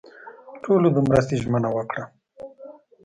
ټولو د مرستې ژمنه ورکړه.